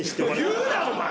言うなお前！